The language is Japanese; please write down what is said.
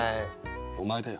お前だよ。